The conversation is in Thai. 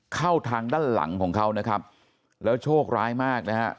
เข้าทางด้านหลังของเขานะครับแล้วโชคร้ายมากนะฮะ